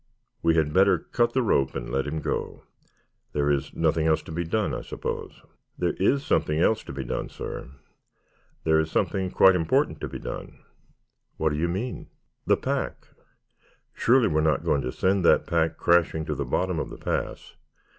We had better cut the rope and let him go. There is nothing else to be done, I suppose." "There is something else to be done, sir. There is something quite important to be done." "What do you mean?" "The pack. Surely we are not going to send that pack crashing to the bottom of the pass.